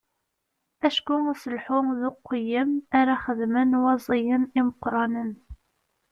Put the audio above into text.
Acku aselḥu d uqeyyem ara xedmen waẓiyen imeqqranen.